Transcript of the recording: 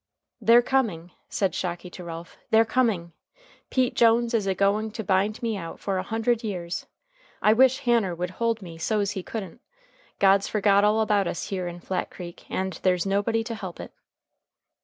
"They're coming," said Shocky to Ralph, "they're coming. Pete Jones is a going to bind me out for a hundred years. I wish Hanner would hold me so's he couldn't. God's forgot all about us here in Flat Creek, and there's nobody to help it."